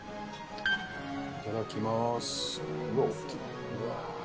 いただきます。